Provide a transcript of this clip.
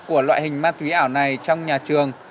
của loại hình ma túy ảo này trong nhà trường